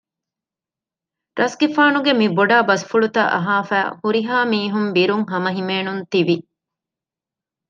ރަސްގެފާނުގެ މިބޮޑާ ބަސްފުޅުތައް އަހާފައި ހުރިހާ މީހުން ބިރުން ހަމަހިމޭނުން ތިވި